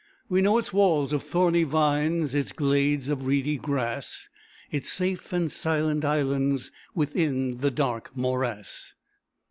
We know its walls of thorny vines, Its glades of reedy grass, Its safe and silent islands Within the dark morass.